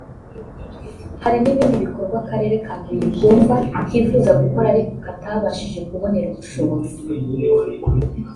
Hari n’ibindi bikorwa Akarere ka Huye kumva kifuza gukora ariko katabashije kubonera ubushobozi